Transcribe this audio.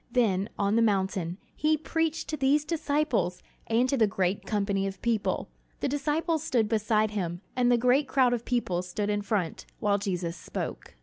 Then, on the mountain, he preached to these disciples and to the great company of people. The disciples stood beside him, and the great crowd of people stood in front, while Jesus spoke.